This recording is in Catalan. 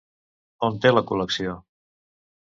On té la col·lecció?